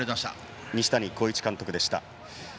西谷浩一監督でした。